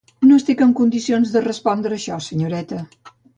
No estic en condicions de respondre a això, senyoreta.